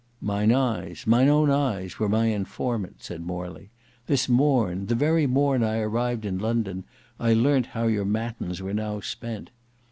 "Mine eyes—mine own eyes—were my informant," said Morley. "This morn, the very morn I arrived in London, I learnt how your matins were now spent.